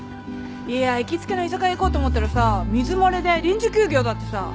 いや行きつけの居酒屋行こうと思ったらさ水漏れで臨時休業だってさ。